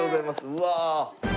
うわ。